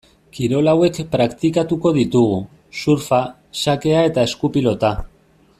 Kirol hauek praktikatuko ditugu: surfa, xakea eta eskupilota.